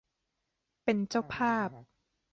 เป็นเจ้าภาพ